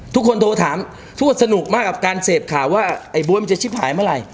โทรถามทวดสนุกมากกับการเสพข่าวว่าไอ้บ๊วยมันจะชิบหายเมื่อไหร่